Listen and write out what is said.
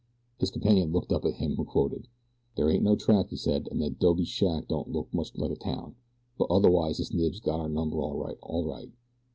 His companion looked up at him who quoted. "There ain't no track," he said, "an' that 'dobe shack don't look much like a town; but otherwise his Knibbs has got our number all right, all right.